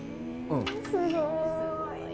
えすごい。